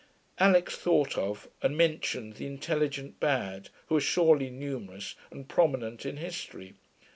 Alix thought of and mentioned the Intelligent Bad, who are surely numerous and prominent in history.